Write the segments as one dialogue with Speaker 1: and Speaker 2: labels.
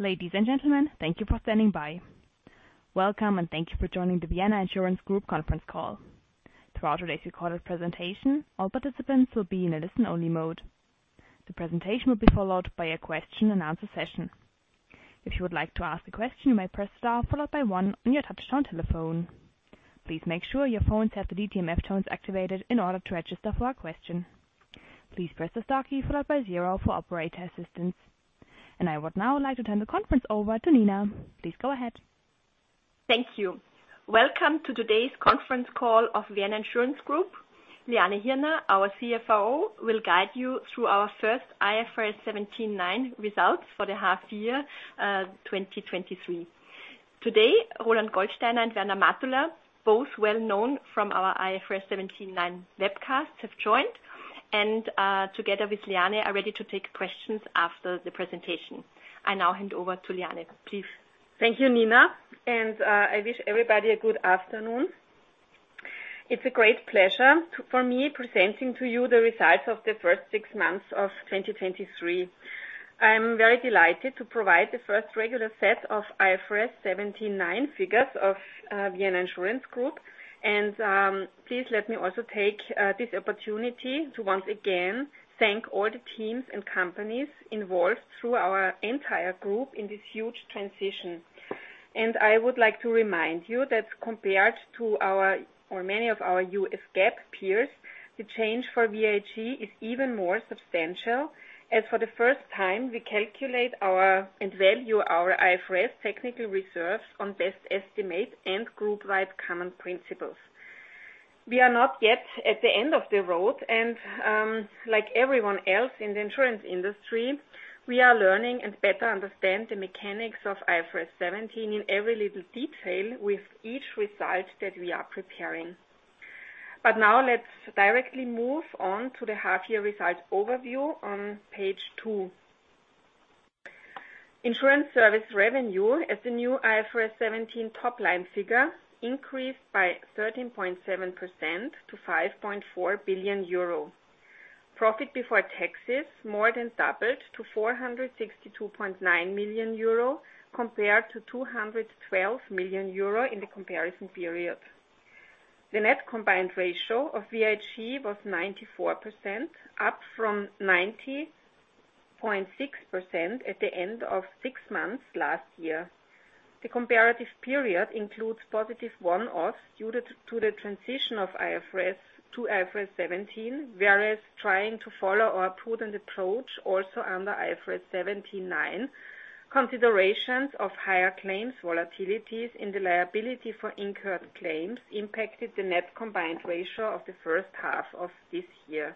Speaker 1: Ladies and gentlemen, thank you for standing by. Welcome, and thank you for joining the Vienna Insurance Group conference call. Throughout today's recorded presentation, all participants will be in a listen-only mode. The presentation will be followed by a question-and-answer session. If you would like to ask a question, you may press star followed by one on your touchtone telephone. Please make sure your phone set the DTMF tones activated in order to register for a question. Please press the star key followed by zero for operator assistance. I would now like to turn the conference over to Nina. Please go ahead.
Speaker 2: Thank you. Welcome to today's conference call of Vienna Insurance Group. Liane Hirner, our CFO, will guide you through our first IFRS 17 results for the half year, 2023. Today, Roland Goldsteiner and Werner Matula, both well-known from our IFRS 17 webcasts, have joined and, together with Liane, are ready to take questions after the presentation. I now hand over to Liane, please.
Speaker 3: Thank you, Nina, and I wish everybody a good afternoon. It's a great pleasure for me to present to you the results of the first six months of 2023. I'm very delighted to provide the first regular set of IFRS 17 and 9 figures of Vienna Insurance Group. And please let me also take this opportunity to once again thank all the teams and companies involved through our entire group in this huge transition. And I would like to remind you that compared to our or many of our US GAAP peers, the change for VIG is even more substantial, as for the first time, we calculate our and value our IFRS technical reserves on best estimates and group-wide common principles. We are not yet at the end of the road, and, like everyone else in the insurance industry, we are learning and better understand the mechanics of IFRS 17 in every little detail with each result that we are preparing. But now let's directly move on to the half year results overview on page two. Insurance service revenue as the new IFRS 17 top-line figure increased by 13.7% to 5.4 billion euro. Profit before taxes more than doubled to 462.9 million euro, compared to 212 million euro in the comparison period. The net combined ratio of VIG was 94%, up from 90.6% at the end of six months last year. The comparative period includes positive one-offs due to the transition of IFRS to IFRS 17, whereas trying to follow our prudent approach also under IFRS 17 and 9. Considerations of higher claims volatilities and the liability for incurred claims impacted the net combined ratio of the first half of this year.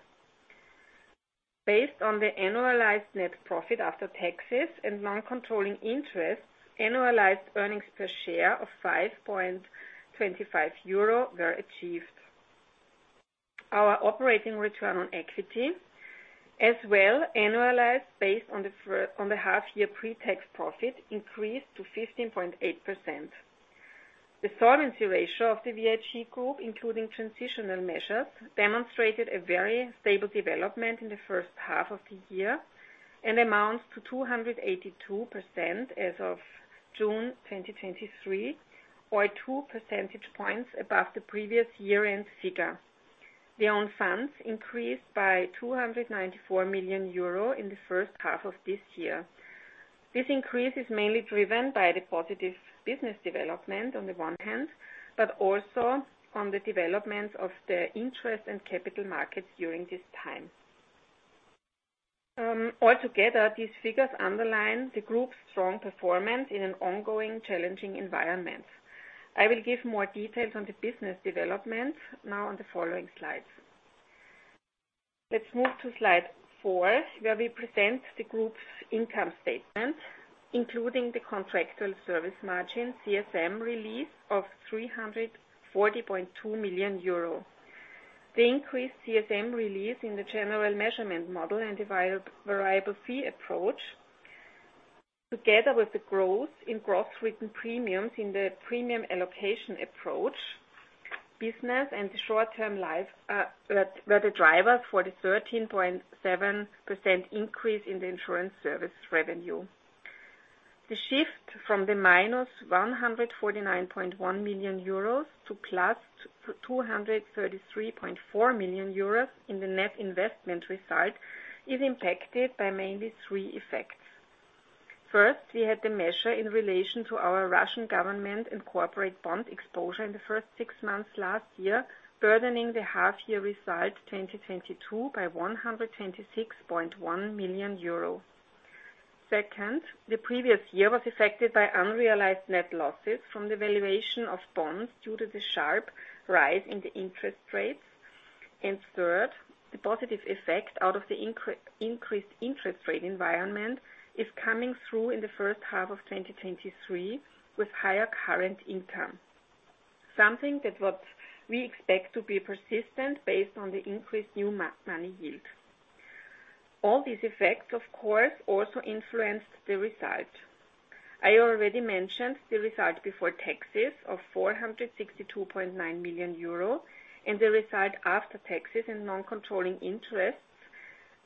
Speaker 3: Based on the annualized net profit after taxes and non-controlling interests, annualized earnings per share of 5.25 euro were achieved. Our operating return on equity, as well annualized based on the half year pre-tax profit, increased to 15.8%. The solvency ratio of the VIG Group, including transitional measures, demonstrated a very stable development in the first half of the year and amounts to 282% as of June 2023, or two percentage points above the previous year-end figure. The own funds increased by 294 million euro in the first half of this year. This increase is mainly driven by the positive business development on the one hand, but also on the development of the interest and capital markets during this time. Altogether, these figures underline the group's strong performance in an ongoing challenging environment. I will give more details on the business development now on the following slides. Let's move to slide four, where we present the group's income statement, including the contractual service margin, CSM release of 340.2 million euro. The increased CSM release in the general measurement model and the variable fee approach, together with the growth in gross written premiums in the premium allocation approach, business and short-term life, were the drivers for the 13.7% increase in the insurance service revenue. The shift from the -149.1 million euros to 233.4 million euros in the net investment result is impacted by mainly three effects. First, we had the measure in relation to our Russian government and corporate bond exposure in the first six months last year, burdening the half-year result 2022 by 126.1 million euro. Second, the previous year was affected by unrealized net losses from the valuation of bonds due to the sharp rise in the interest rates. And third, the positive effect out of the increased interest rate environment is coming through in the first half of 2023, with higher current income. Something that what we expect to be persistent based on the increased new money yield. All these effects, of course, also influenced the result. I already mentioned the result before taxes of 462.9 million euro, and the result after taxes and non-controlling interests,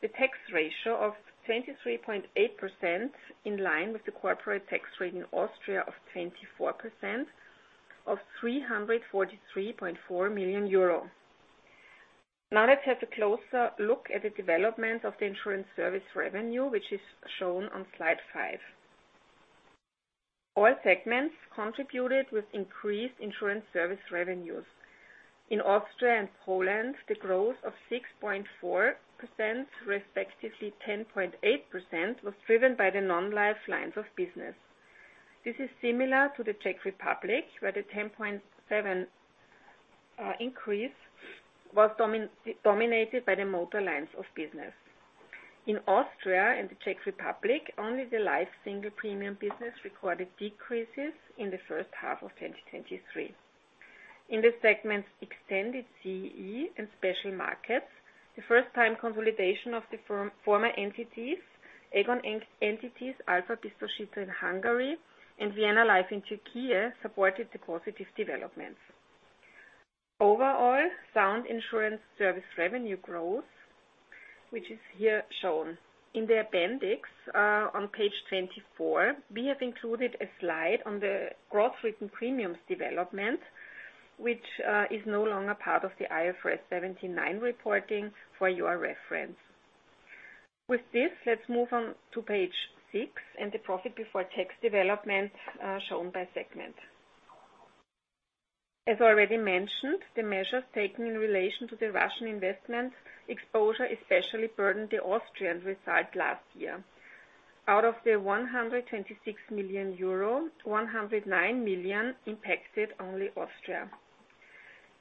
Speaker 3: the tax ratio of 23.8%, in line with the corporate tax rate in Austria of 24%, of 343.4 million euro. Now let's have a closer look at the development of the insurance service revenue, which is shown on slide five. All segments contributed with increased insurance service revenues. In Austria and Poland, the growth of 6.4%, respectively 10.8%, was driven by the non-life lines of business. This is similar to the Czech Republic, where the 10.7 increase was dominated by the motor lines of business. In Austria and the Czech Republic, only the life single premium business recorded decreases in the first half of 2023. In the segment's Extended CEE and Special Markets, the first time consolidation of the former entities, Aegon entities, Alfa Vienna Insurance Group in Hungary and Vienna Life in Türkiye, supported the positive developments. Overall, sound insurance service revenue growth, which is here shown. In the appendix, on page 24, we have included a slide on the gross written premiums development, which is no longer part of the IFRS 17 reporting for your reference. With this, let's move on to page six and the profit before tax development, shown by segment. As already mentioned, the measures taken in relation to the Russian investment exposure, especially burdened the Austrian result last year. Out of the 126 million euro, 109 million impacted only Austria.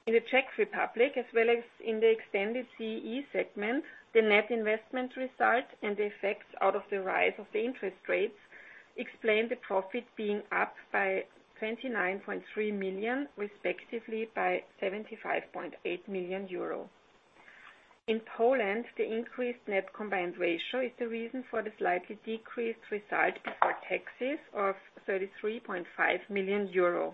Speaker 3: In the Czech Republic, as well as in the Extended CEE segment, the net investment result and the effects out of the rise of the interest rates explain the profit being up by 29.3 million, respectively, by 75.8 million euro. In Poland, the increased net combined ratio is the reason for the slightly decreased result before taxes of 33.5 million euro.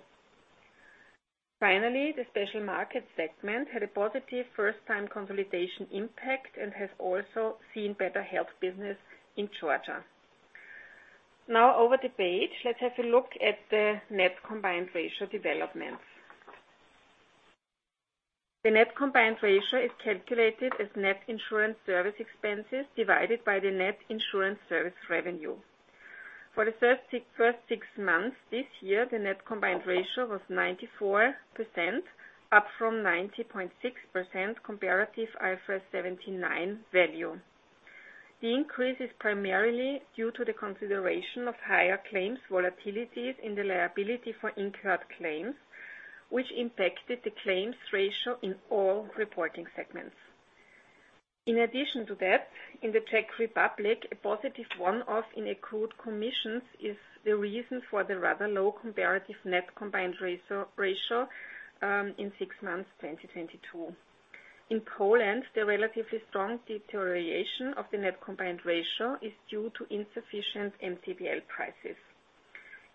Speaker 3: Finally, the Special Markets segment had a positive first-time consolidation impact and has also seen better health business in Georgia. Now, over the page, let's have a look at the net combined ratio developments. The net combined ratio is calculated as net insurance service expenses divided by the net insurance service revenue. For the first six months, this year, the net combined ratio was 94%, up from 90.6% comparative IFRS 17 value. The increase is primarily due to the consideration of higher claims volatilities in the liability for incurred claims, which impacted the claims ratio in all reporting segments. In addition to that, in the Czech Republic, a positive one-off in accrued commissions is the reason for the rather low comparative net combined ratio in six months, 2022. In Poland, the relatively strong deterioration of the net combined ratio is due to insufficient MTPL prices.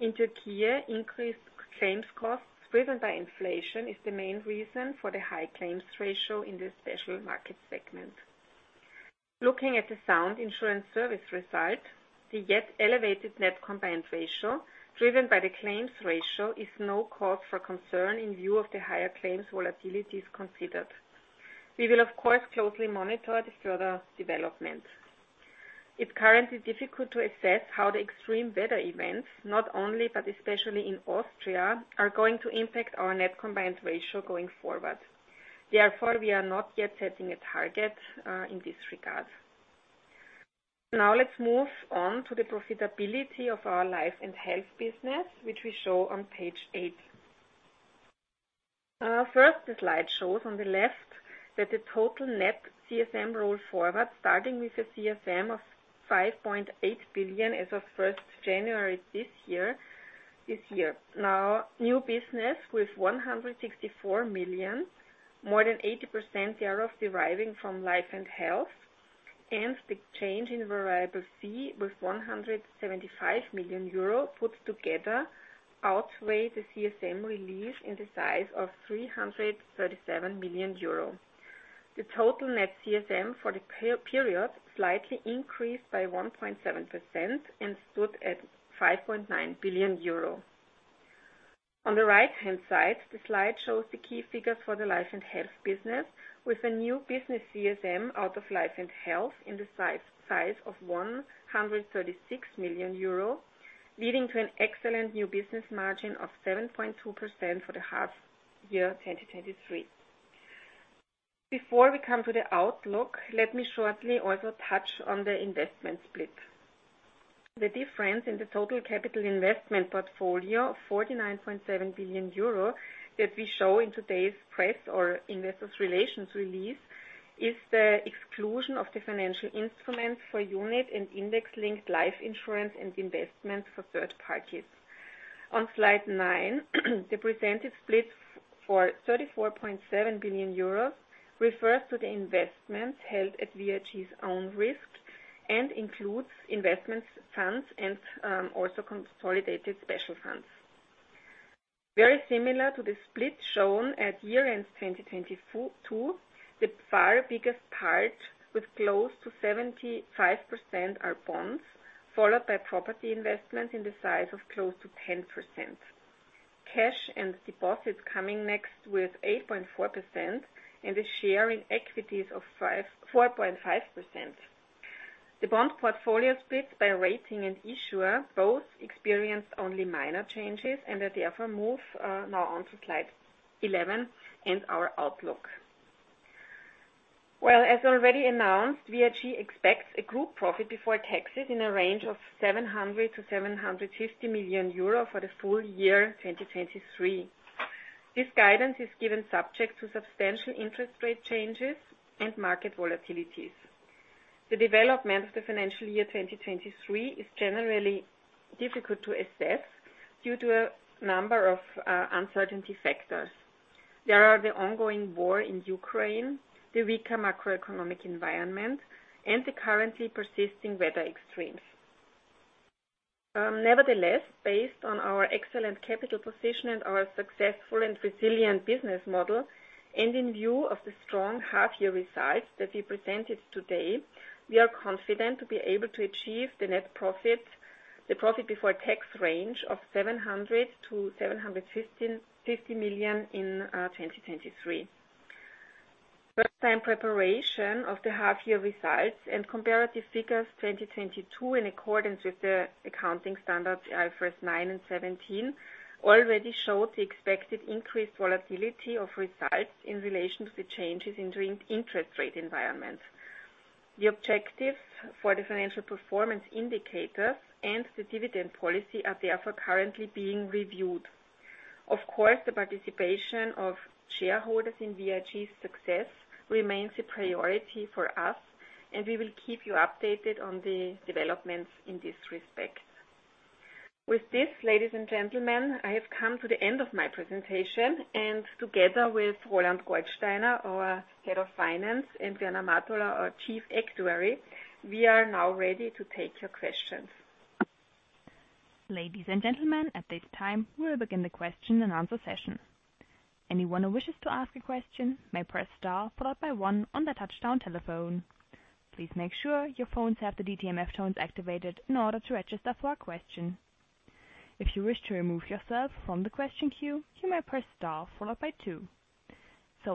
Speaker 3: In Türkiye, increased claims costs, driven by inflation, is the main reason for the high claims ratio in the Special Market segment. Looking at the sound insurance service result, the yet elevated net combined ratio, driven by the claims ratio, is no cause for concern in view of the higher claims volatilities considered. We will, of course, closely monitor the further development. It's currently difficult to assess how the extreme weather events, not only, but especially in Austria, are going to impact our net combined ratio going forward. Therefore, we are not yet setting a target in this regard. Now let's move on to the profitability of our life and health business, which we show on page eight. First, the slide shows on the left that the total net CSM roll forward, starting with a CSM of 5.8 billion as of 1st January this year, this year. Now, new business with 164 million, more than 80% thereof deriving from life and health, and the change in variable fee with 175 million euro, put together, outweigh the CSM release in the size of 337 million euro. The total net CSM for the period slightly increased by 1.7% and stood at 5.9 billion euro. On the right-hand side, the slide shows the key figures for the life and health business, with a new business CSM out of life and health in the size of 136 million euro, leading to an excellent new business margin of 7.2% for the half year, 2023. Before we come to the outlook, let me shortly also touch on the investment split. The difference in the total capital investment portfolio of 49.7 billion euro that we show in today's press or investor relations release is the exclusion of the financial instruments for unit and index-linked life insurance and investments for third parties. On Slide nine, the presented split for 34.7 billion euros refers to the investments held at VIG's own risk and includes investments, funds, and also consolidated special funds. Very similar to the split shown at year-end 2022, the far biggest part, with close to 75%, are bonds, followed by property investments in the size of close to 10%. Cash and deposits coming next with 8.4%, and the share in equities of 4.5%. The bond portfolio split by rating and issuer both experienced only minor changes and I therefore move now on to Slide 11 and our outlook. Well, as already announced, VIG expects a group profit before taxes in a range of 700 million-750 million euro for the full year 2023. This guidance is given subject to substantial interest rate changes and market volatilities. The development of the financial year 2023 is generally difficult to assess due to a number of uncertainty factors. There are the ongoing war in Ukraine, the weaker macroeconomic environment, and the currently persisting weather extremes. Nevertheless, based on our excellent capital position and our successful and resilient business model, and in view of the strong half-year results that we presented today, we are confident to be able to achieve the net profit, the profit before tax range of 700 million-750 million in 2023. First-time preparation of the half-year results and comparative figures 2022, in accordance with the accounting standards IFRS nine and 17, already showed the expected increased volatility of results in relation to the changes in the interest rate environment. The objectives for the financial performance indicators and the dividend policy are therefore currently being reviewed. Of course, the participation of shareholders in VIG's success remains a priority for us, and we will keep you updated on the developments in this respect. With this, ladies and gentlemen, I have come to the end of my presentation, and together with Roland Goldsteiner, our Head of Finance, and Werner Matula, our Chief Actuary, we are now ready to take your questions.
Speaker 1: Ladies and gentlemen, at this time, we will begin the question and answer session. Anyone who wishes to ask a question may press star followed by one on their touchtone telephone. Please make sure your phones have the DTMF tones activated in order to register for a question. If you wish to remove yourself from the question queue, you may press star followed by two.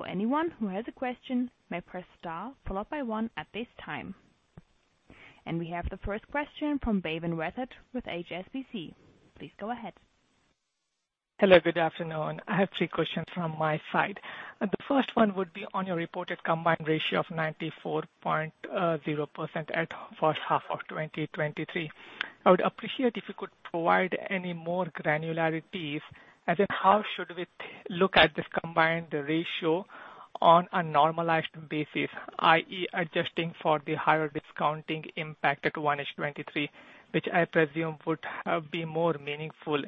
Speaker 1: Anyone who has a question may press star followed by one at this time. We have the first question from Bhavin Rathod with HSBC. Please go ahead.
Speaker 4: Hello, good afternoon. I have three questions from my side. The first one would be on your reported combined ratio of 94.0% at first half of 2023. I would appreciate if you could provide any more granularities, as in how should we look at this combined ratio on a normalized basis, i.e., adjusting for the higher discounting impact at 1H 2023, which I presume would be more meaningful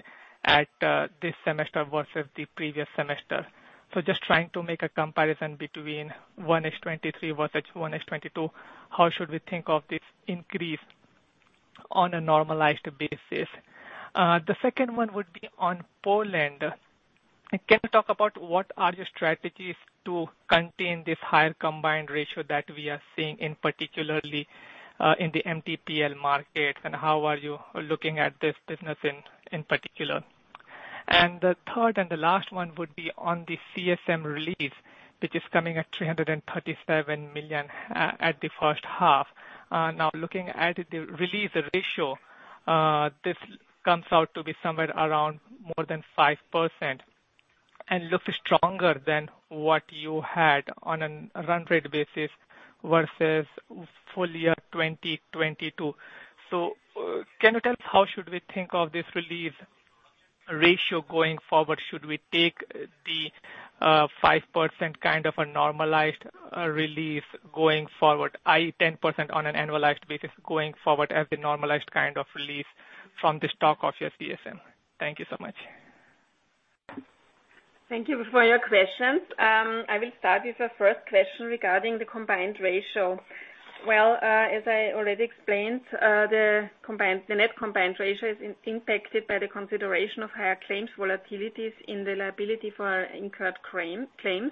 Speaker 4: at this semester versus the previous semester. So just trying to make a comparison between 1H 2023 versus 1H 2022, how should we think of this increase on a normalized basis? The second one would be on Poland. Can you talk about what are your strategies to contain this higher combined ratio that we are seeing in particular, in the MTPL market, and how are you looking at this business in, in particular? And the third and the last one would be on the CSM release, which is coming at 337 million at the first half. Now, looking at the release ratio, this comes out to be somewhere around more than 5% and looks stronger than what you had on a run rate basis versus full year 2022. So, can you tell us how should we think of this release ratio going forward? Should we take the 5% kind of a normalized release going forward, i.e., 10% on an annualized basis going forward as the normalized kind of release from the stock of your CSM? Thank you so much.
Speaker 3: Thank you for your questions. I will start with the first question regarding the combined ratio. Well, as I already explained, the combined, the net combined ratio is impacted by the consideration of higher claims volatilities in the liability for incurred claims.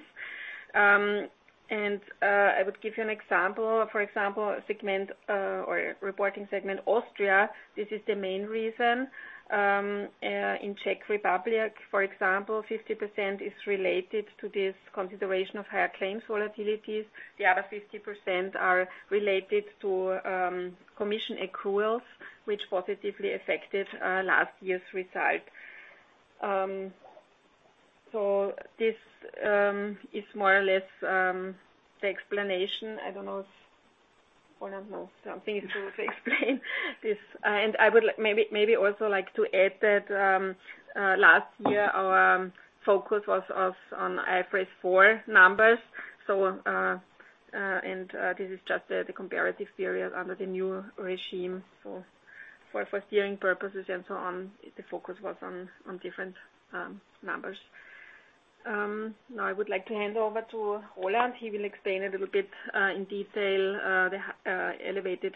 Speaker 3: I would give you an example. For example, segment, or reporting segment, Austria, this is the main reason. In Czech Republic, for example, 50% is related to this consideration of higher claims volatilities. The other 50% are related to commission accruals, which positively affected last year's result. This is more or less the explanation. I don't know if Roland knows something to explain this. And I would like maybe, maybe also like to add that, last year, our focus was on IFRS 4 numbers. So, this is just the comparative period under the new regime for steering purposes and so on. The focus was on different numbers. Now I would like to hand over to Roland. He will explain a little bit in detail the elevated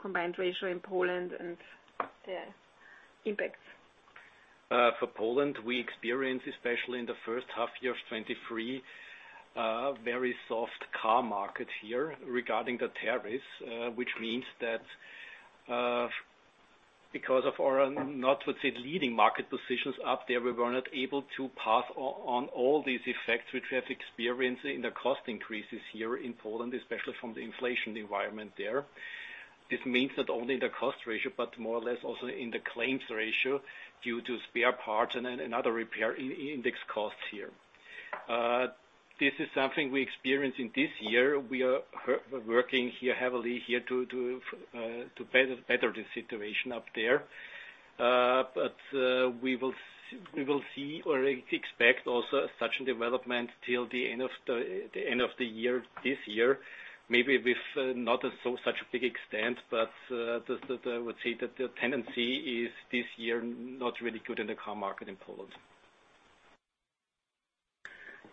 Speaker 3: combined ratio in Poland and the impacts.
Speaker 5: For Poland, we experience, especially in the first half of 2023, very soft car market here regarding the tariffs. Which means that, because of our not with the leading market positions up there, we were not able to pass on all these effects, which we have experienced in the cost increases here in Poland, especially from the inflation environment there. This means that not only the cost ratio, but more or less also in the claims ratio, due to spare parts and then another repair index costs here. This is something we experience in this year. We are working here heavily here to better the situation up there. But we will see or expect also such a development till the end of the year, this year. Maybe with not so such a big extent, but I would say that the tendency is this year not really good in the car market in Poland.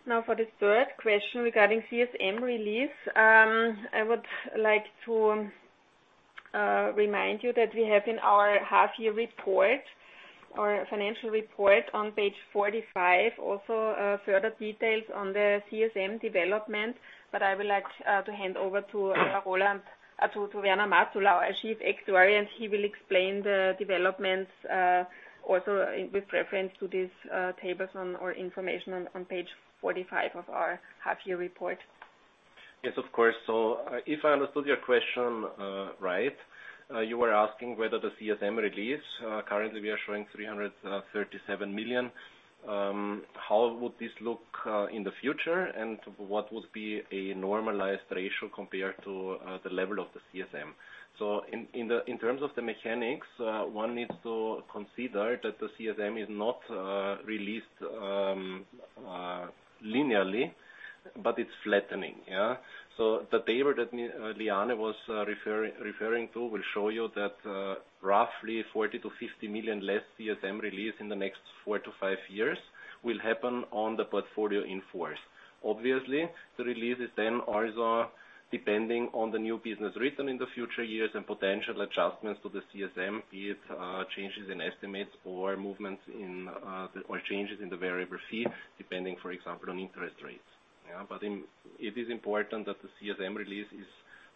Speaker 3: Now, for the third question regarding CSM release, I would like to remind you that we have in our half year report, our financial report on page 45, also, further details on the CSM development. But I would like to hand over to Roland, to Werner Matula, our Chief Actuary, and he will explain the developments, also with reference to these, tables on or information on, on page 45 of our half year report.
Speaker 5: Yes, of course. So if I understood your question right, you were asking whether the CSM release, currently we are showing 337 million. How would this look in the future? And what would be a normalized ratio compared to the level of the CSM? So in terms of the mechanics, one needs to consider that the CSM is not released linearly, but it's flattening, yeah? So the table that Liane was referring to will show you that, roughly 40 million-50 million less CSM release in the next 4-5 years will happen on the portfolio in force. Obviously, the release is then also depending on the new business written in the future years and potential adjustments to the CSM, be it changes in estimates or movements in the or changes in the variable fee, depending, for example, on interest rates. Yeah, but in it is important that the CSM release is,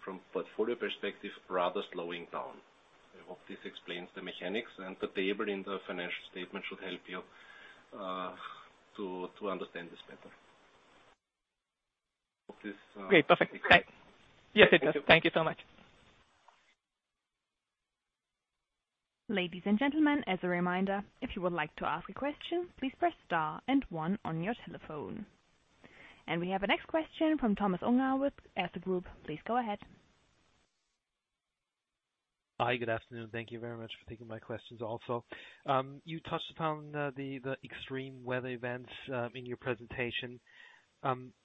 Speaker 5: from portfolio perspective, rather slowing down. I hope this explains the mechanics, and the table in the financial statement should help you to understand this better. Hope this,
Speaker 4: Great, perfect. Great. Yes, it does. Thank you so much.
Speaker 1: Ladies and gentlemen, as a reminder, if you would like to ask a question, please press star and one on your telephone. We have our next question from Thomas Unger with Erste Group. Please go ahead.
Speaker 6: Hi, good afternoon. Thank you very much for taking my questions also. You touched upon the extreme weather events in your presentation.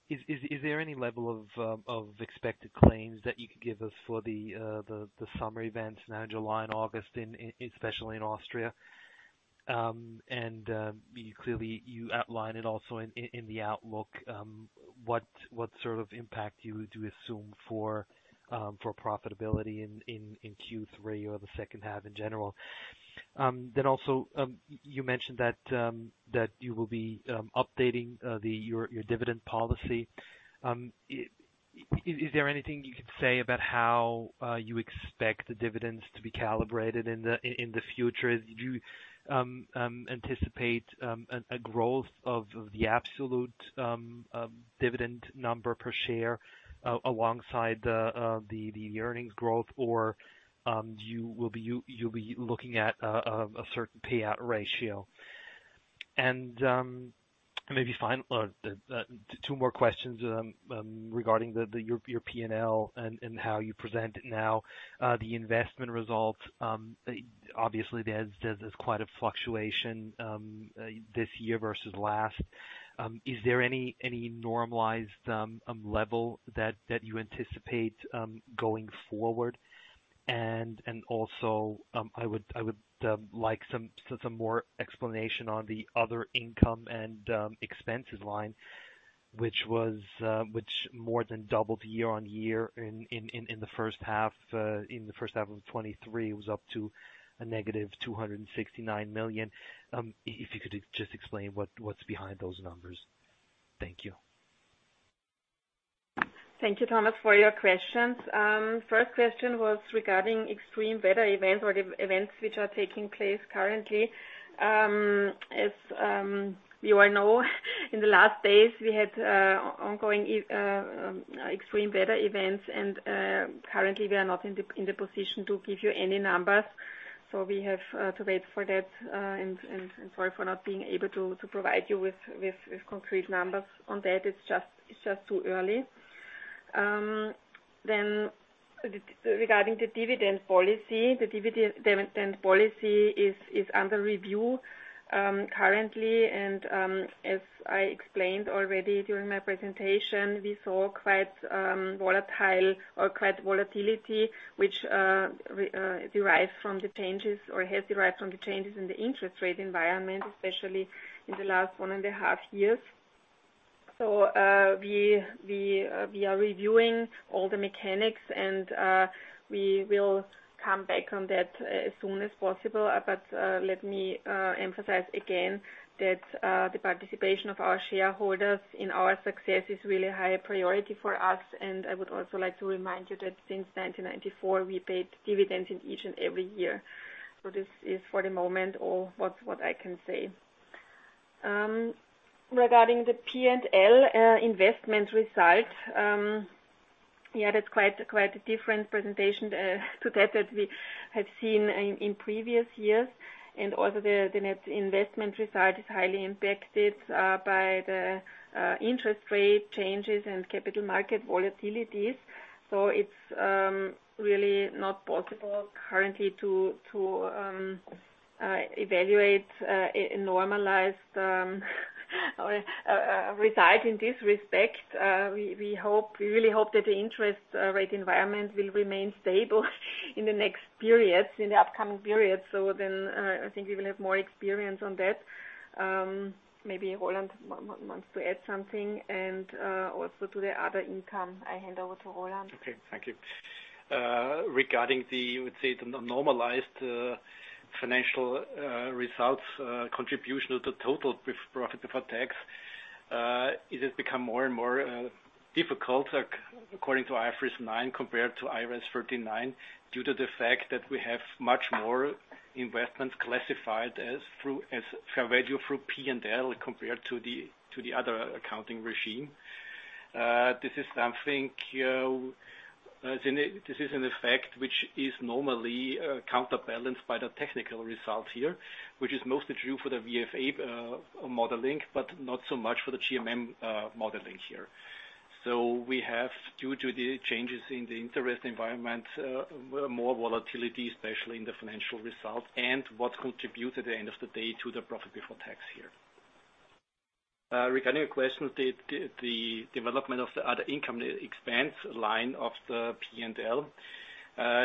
Speaker 6: Is there any level of expected claims that you could give us for the summer events now in July and August, especially in Austria? You clearly outlined it also in the outlook. What sort of impact do you assume for profitability in Q3 or the second half in general? Then also, you mentioned that you will be updating your dividend policy. Is there anything you can say about how you expect the dividends to be calibrated in the future? Do you anticipate a growth of the absolute dividend number per share alongside the earnings growth, or you'll be looking at a certain payout ratio? Maybe final two more questions regarding your P&L and how you present it now. The investment results, obviously, there's quite a fluctuation this year versus last. Is there any normalized level that you anticipate going forward? And also, I would like some more explanation on the other income and expenses line, which more than doubled year on year in the first half of 2023. It was up to -269 million. If you could just explain what, what's behind those numbers? Thank you.
Speaker 3: Thank you, Thomas, for your questions. First question was regarding extreme weather events or events which are taking place currently. As you all know, in the last days, we had ongoing extreme weather events, and currently, we are not in the position to give you any numbers. So we have to wait for that, and sorry for not being able to provide you with concrete numbers on that. It's just too early. So regarding the dividend policy, the dividend policy is under review currently. And as I explained already during my presentation, we saw quite volatile or quite volatility, which derives from the changes, or has derived from the changes in the interest rate environment, especially in the last one and a half years. So we are reviewing all the mechanics, and we will come back on that as soon as possible. But let me emphasize again that the participation of our shareholders in our success is really a high priority for us. And I would also like to remind you that since 1994, we paid dividends in each and every year. So this is for the moment, all what I can say. Regarding the P&L, investment result, yeah, that's quite, quite a different presentation to that that we have seen in previous years. And also the net investment result is highly impacted by the interest rate changes and capital market volatilities. So it's really not possible currently to evaluate a normalized result in this respect. We hope, we really hope that the interest rate environment will remain stable in the next periods, in the upcoming periods. So then, I think we will have more experience on that. Maybe Roland wants to add something, and also to the other income. I hand over to Roland.
Speaker 5: Okay. Thank you. Regarding the, you would say, the normalized financial results contribution to total pre profit before tax, it has become more and more difficult according to IFRS 9, compared to IFRS 39, due to the fact that we have much more investments classified as fair value through P&L, compared to the other accounting regime. This is, I think, this is an effect which is normally counterbalanced by the technical results here, which is mostly true for the VFA modeling, but not so much for the GMM modeling here. So we have, due to the changes in the interest environment, more volatility, especially in the financial results, and what contributes at the end of the day to the profit before tax here. Regarding your question with the development of the other income expense line of the P&L,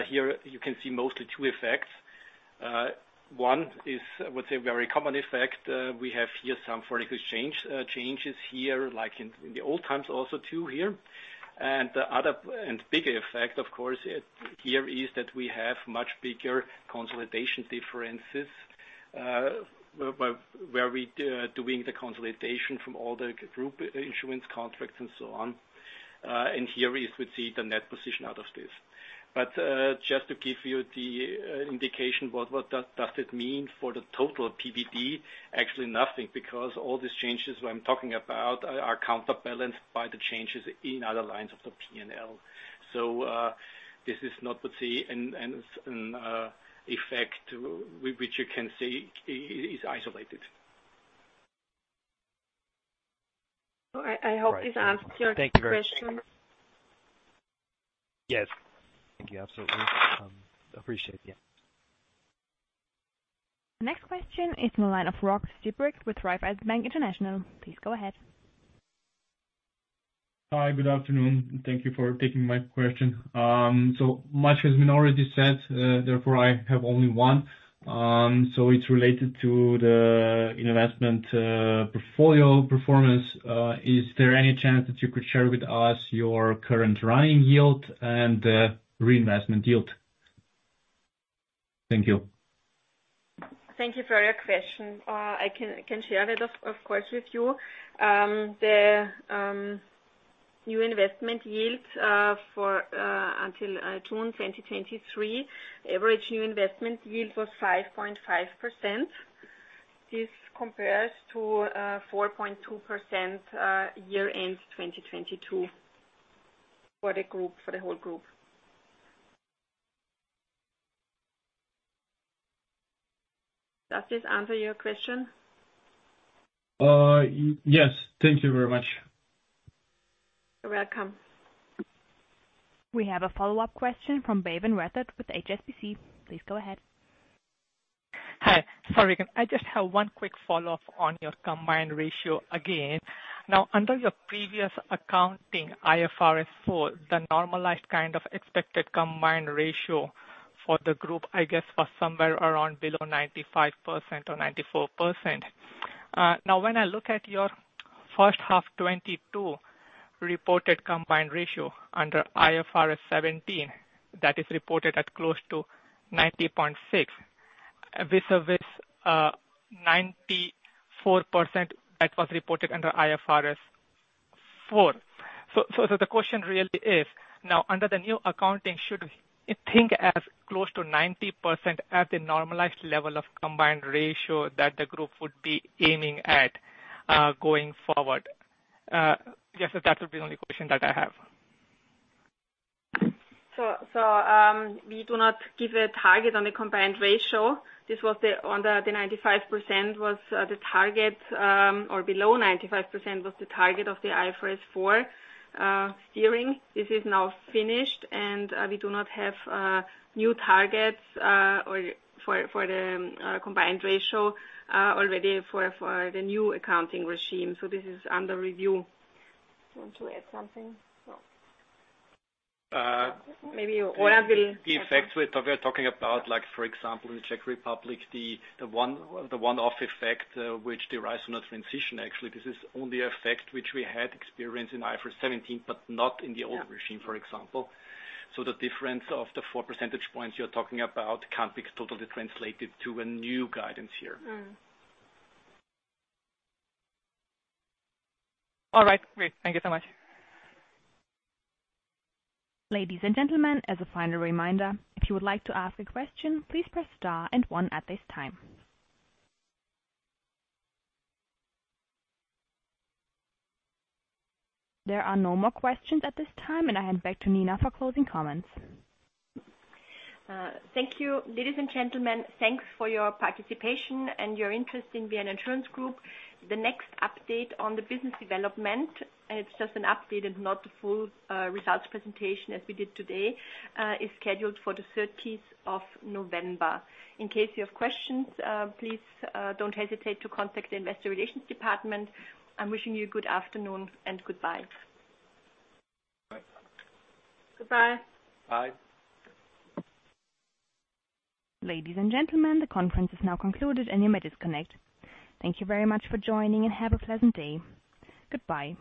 Speaker 5: here you can see mostly two effects. One is, I would say, a very common effect. We have here some foreign exchange changes here, like in the old times, also, too, here. And the other and bigger effect, of course, here is that we have much bigger consolidation differences, where we doing the consolidation from all the group insurance contracts and so on. And here, we see the net position out of this. But just to give you the indication, what does it mean for the total PBT? Actually nothing, because all these changes what I'm talking about are counterbalanced by the changes in other lines of the P&L. This is not the CEE effect, which you can see is isolated.
Speaker 3: All right. I hope this answers your question.
Speaker 6: Thank you very much. Yes. Thank you. Absolutely. Appreciate, yeah.
Speaker 1: Next question is the line of Rok Stibric with Raiffeisen Bank International. Please go ahead.
Speaker 7: Hi, good afternoon, and thank you for taking my question. So much has been already said, therefore I have only one. So it's related to the investment portfolio performance. Is there any chance that you could share with us your current running yield and reinvestment yield? Thank you.
Speaker 3: Thank you for your question. I can share that of course with you. The average new investment yield until June 2023 was 5.5%. This compares to 4.2% year-end 2022 for the group, for the whole group. Does this answer your question?
Speaker 7: Yes. Thank you very much.
Speaker 3: You're welcome.
Speaker 1: We have a follow-up question from Bhavan Shettigar with HSBC. Please go ahead.
Speaker 5: Hi. Sorry, I just have one quick follow-up on your combined ratio again. Now, under your previous accounting, IFRS 4, the normalized kind of expected combined ratio for the group, I guess, was somewhere around below 95% or 94%. Now, when I look at your first half 2022 reported combined ratio under IFRS 17, that is reported at close to 90.6, vis-a-vis, 94%, that was reported under IFRS 4. So, so, so the question really is, now, under the new accounting, should we think as close to 90% at the normalized level of combined ratio that the group would be aiming at, going forward? Yes, so that would be the only question that I have.
Speaker 3: So, we do not give a target on the combined ratio. This was the... On the 95% was the target, or below 95% was the target of the IFRS 4 steering. This is now finished, and we do not have new targets or for the combined ratio already for the new accounting regime. So this is under review. Do you want to add something? No.
Speaker 5: Uh.
Speaker 3: Maybe Roland will-
Speaker 5: The effects we're talking about, like, for example, the Czech Republic, the one-off effect, which derives from the transition, actually. This is only effect which we had experienced in IFRS 17, but not in the older-
Speaker 3: Yeah...
Speaker 5: regime, for example. So the difference of the four percentage points you're talking about can't be totally translated to a new guidance here. All right, great. Thank you so much.
Speaker 1: Ladies and gentlemen, as a final reminder, if you would like to ask a question, please press star and one at this time. There are no more questions at this time, and I hand back to Nina for closing comments.
Speaker 5: Thank you. Ladies and gentlemen, thanks for your participation and your interest in Vienna Insurance Group. The next update on the business development, it's just an update and not the full results presentation as we did today, is scheduled for the thirteenth of November. In case you have questions, please don't hesitate to contact the investor relations department. I'm wishing you a good afternoon and goodbye. Bye.
Speaker 3: Goodbye.
Speaker 5: Bye.
Speaker 1: Ladies and gentlemen, the conference is now concluded, and you may disconnect. Thank you very much for joining, and have a pleasant day. Goodbye.